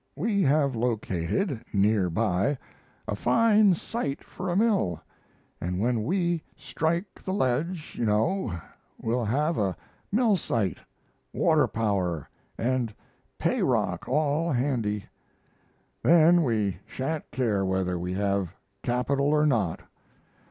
We have located, near by, a fine site for a mill, and when we strike the ledge, you know, we'll have a mill site, water power, and payrock, all handy. Then we sha'n't care whether we have capital or not.